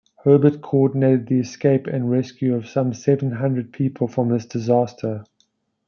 Hebert coordinated the escape and rescue of some seven hundred people from this disaster.